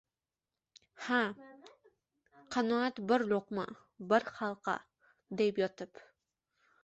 Ha, qanoat bir luqma, bir xirqa», deb yotib